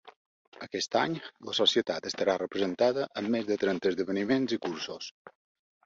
Aquest any, la Societat estarà representada en més de trenta esdeveniments i cursos.